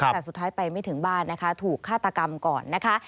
แต่สุดท้ายไปไม่ถึงบ้านนะคะถูกฆาตกรรมก่อนนะคะ